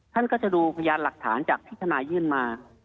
ท่านก็จะดูพยานหลักฐานจากที่ทนายยื่นมา